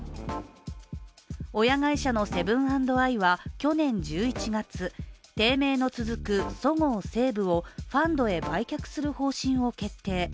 親会社のセブン＆アイは去年１１月低迷の続くそごう・西武をファンドへ売却する方針を決定。